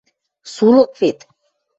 Сулык вет...